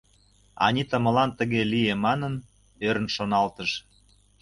Анита молан тыге лие манын, ӧрын шоналтыш.